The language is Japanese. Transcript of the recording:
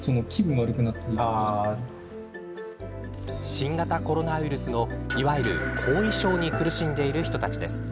新型コロナウイルスのいわゆる後遺症に苦しんでいる人たちです。